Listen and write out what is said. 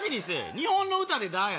日本の歌で「だ」や。